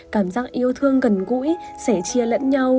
cảm giác yêu thương gần gũi sẻ chia lẫn nhau